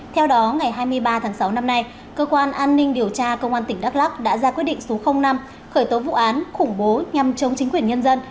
theo đó ngày hai mươi ba tháng sáu năm nay cơ quan an ninh điều tra công an tỉnh đắk lắc đã ra quyết định số năm khởi tố vụ án khủng bố nhằm chống chính quyền nhân dân